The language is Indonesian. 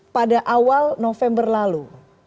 pada awal november lalu